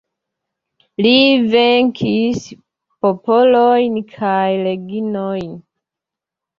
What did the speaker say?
Li venkis popolojn kaj regnojn.